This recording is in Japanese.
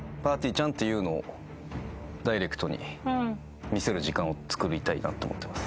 ちゃんというのをダイレクトに見せる時間をつくりたいなと思ってます。